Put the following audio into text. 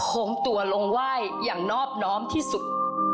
คงตัวลงไหว้อย่างนอบน้อมที่สุด